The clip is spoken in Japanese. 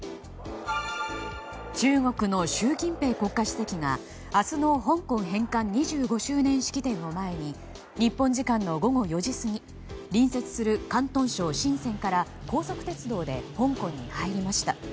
中国の習近平国家主席が明日の香港返還２５周年式典を前に日本時間の午後４時過ぎ隣接する広東省シンセンから高速鉄道で香港に入りました。